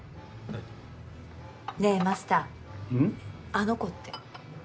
あの子って。